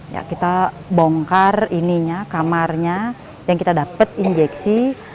kami membongkar kamarnya dan kami mendapatkan injeksi